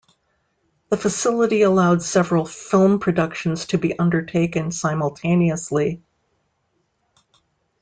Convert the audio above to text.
The facility allowed several film productions to be undertaken simultaneously.